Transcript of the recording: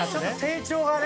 成長がね。